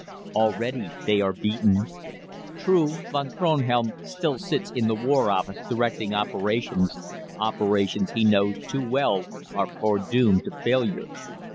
Already they are beaten. True, Von Kronhelm still sits in the War Office directing operations operations he knows too well are foredoomed to failure.